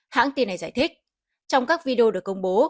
hãng tin này giải thích trong các video được công bố